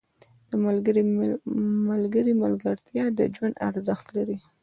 • د ملګري ملګرتیا د ژوند ارزښت لري.